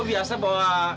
gue biasa bawa